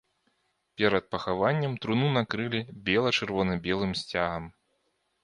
Перад пахаваннем труну накрылі бела-чырвона-белым сцягам.